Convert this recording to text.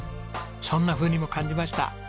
そんなふうにも感じました。